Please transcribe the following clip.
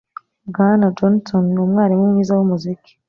Bwana Johnson numwarimu mwiza wumuziki.